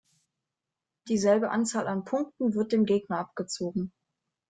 Dieselbe Anzahl an Punkten wird dem Gegner abgezogen.